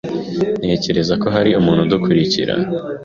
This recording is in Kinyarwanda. Ntekereza ko hari umuntu udukurikira.